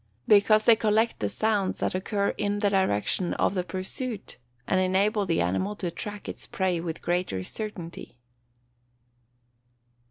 _ Because they collect the sounds that occur in the direction of the pursuit, and enable the animal to track its prey with greater certainty.